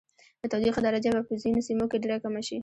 د تودوخې درجه به په ځینو سیمو کې ډیره کمه شي.